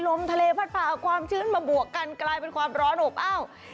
ลมทะเลพัดพาเอาความชื้นมาบวกกันกลายเป็นความร้อนอบอ้าว